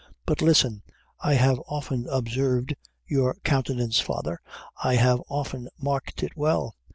But listen I have often observed your countenance, father I have often marked it well.